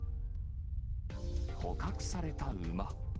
捕獲された馬。